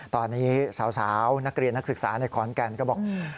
ตอนนี้สาวนักเรียนนักศึกษาในขอนแก่นก็บอก